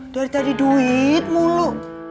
dari tadi duit mulu